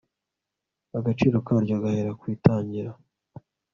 agaciro karyo gahera ku itangira